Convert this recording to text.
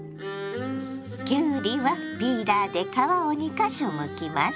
きゅうりはピーラーで皮を２か所むきます。